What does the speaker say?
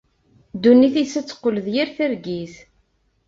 Ddunit-is ad teqqel d yir targit.